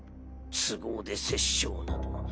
都合で殺生など。